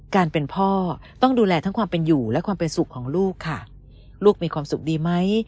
การเป็นพ่อต้องดูแลทั้งความเป็นอยู่และความเป็นสุขของลูกค่ะลูกมีความสุขดีไหม